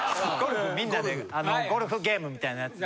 みんなでゴルフゲームみたいなやつ。